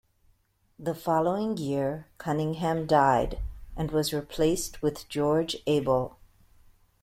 The following year, Cunningham died, and was replaced with George Abel.